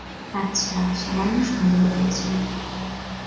আচ্ছা, সামান্য সন্দেহ করেছিলাম।